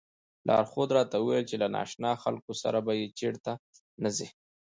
لارښود راته وویل له نا اشنا خلکو سره به چېرته نه ځئ.